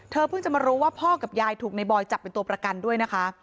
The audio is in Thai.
เพิ่งจะมารู้ว่าพ่อกับยายถูกในบอยจับเป็นตัวประกันด้วยนะคะ